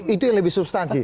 itu yang lebih substansi